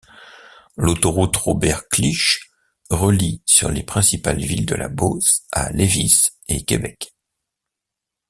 L'autoroute Robert-Cliche relie sur les principales villes de la Beauce à Lévis et Québec.